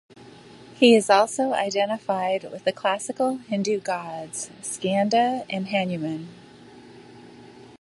He is also identified with the classical Hindu gods Skanda and Hanuman.